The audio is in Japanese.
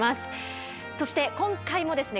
そして今回もですね